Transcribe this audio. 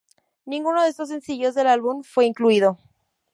Ninguno de estos sencillos del álbum fue incluido.